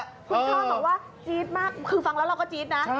คุณพ่อบอกว่าจี๊ดมากคือฟังแล้วเราก็จี๊ดนะ